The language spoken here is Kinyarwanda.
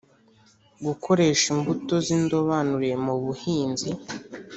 gukoresha imbuto z'indobanure mu buhinzi